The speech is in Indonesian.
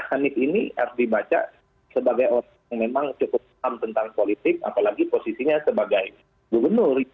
anies ini harus dibaca sebagai orang yang memang cukup paham tentang politik apalagi posisinya sebagai gubernur